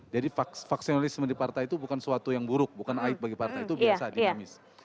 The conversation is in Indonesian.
jadi faksionalisme di partai itu bukan sesuatu yang buruk bukan aib bagi partai itu biasa diomis